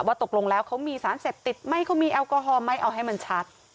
ตกลงแล้วเขามีสารเสพติดไหมเขามีแอลกอฮอลไหมเอาให้มันชัด